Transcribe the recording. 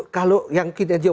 kalau yang kinerja